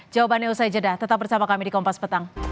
jawabannya usai jeda tetap bersama kami di kompas petang